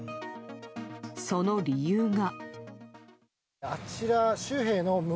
その理由が。